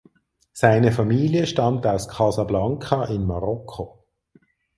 Seine Familie stammt aus Casablanca in Marokko.